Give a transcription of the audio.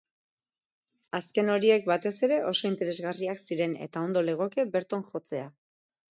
Azken horiek batez ere oso interesgarriak ziren, eta ondo legoke berton jotzea.